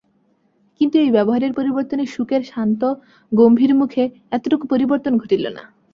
কিন্তু এই ব্যবহারের পরিবর্তনে শুকের শান্ত গম্ভীর মুখে এতটুকু পরিবর্তন ঘটিল না।